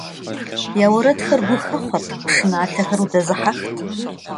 Я уэрэдхэр гухэхъуэт, пшыналъэхэр удэзыхьэхт.